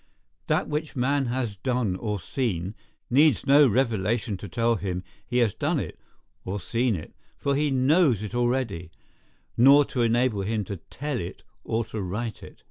That which man has done or seen, needs no revelation to tell him he has done it, or seen it—for he knows it already—nor to enable him to tell it or to write it.